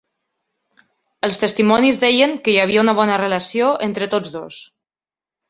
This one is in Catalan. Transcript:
Els testimonis deien que hi havia una bona relació entre tots dos.